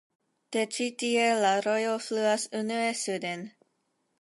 De ĉi-tie la rojo fluas unue suden.